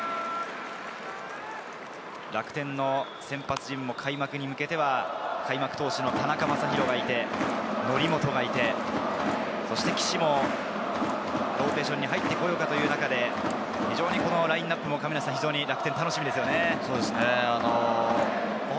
楽天の先発陣も開幕に向けて、開幕投手の田中将大がいて、則本がいて、岸もローテーションに入ってこようかという中で、ラインナップも楽しみですね。